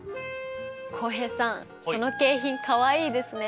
浩平さんその景品かわいいですね。